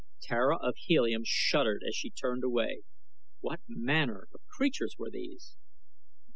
Tara of Helium shuddered as she turned away. What manner of creatures were these?